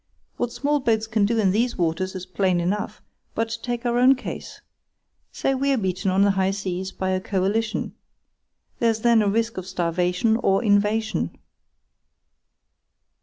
What small boats can do in these waters is plain enough; but take our own case. Say we're beaten on the high seas by a coalition. There's then a risk of starvation or invasion.